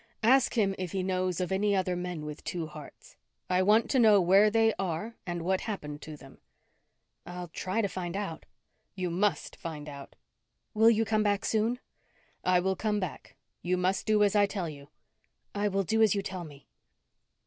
"Ask him if he knows of any other men with two hearts. I want to know where they are and what happened to them." "I'll try to find out." "You must find out." "Will you come back soon?" "I will come back. You must do as I tell you." "I will do as you tell me."